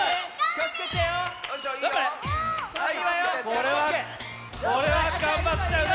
これはこれはがんばっちゃうね。